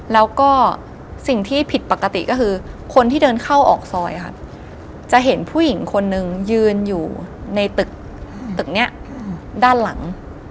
แล้วก็สิ่งที่ผิดปกติก็คือคนที่เดินเข้าออกซอยค่ะจะเห็นผู้หญิงคนนึงยืนอยู่ในตึกตึกนี้ด้านหลัง